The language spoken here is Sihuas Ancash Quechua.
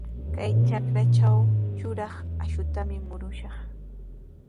Kay trakratrawqa yuraq akshutami murushaq.